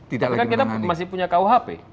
karena kan kita masih punya kuhp